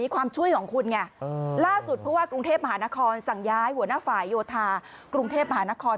ความช่วยของคุณไงล่าสุดผู้ว่ากรุงเทพมหานครสั่งย้ายหัวหน้าฝ่ายโยธากรุงเทพมหานคร